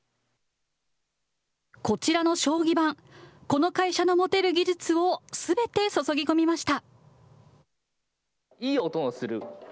こちらの将棋盤、この会社の持てる技術を、すべて注ぎ込みました。